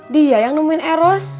dia yang nemuin eros